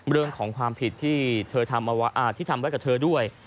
เรื่องของความผิดที่เธอที่ทำไว้กับเธอด้วย